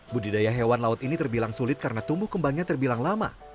budidaya hewan laut ini terbilang sulit karena tumbuh kembangnya terbilang lama